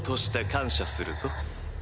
感謝するぞ。